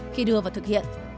khi đưa vào thực hiện